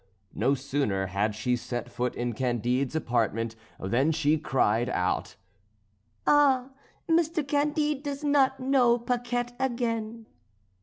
No sooner had she set foot in Candide's apartment than she cried out: "Ah! Mr. Candide does not know Paquette again."